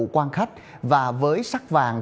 quan khách và với sắc vàng